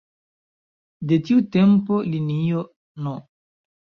De tiu tempo linio No.